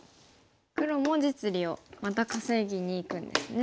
黒も実利をまた稼ぎにいくんですね。